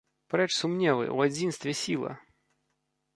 Прэч сумневы, у адзінстве сіла!